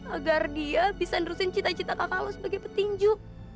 agar dia bisa nerusin cita cita kakak lo sebagai petinju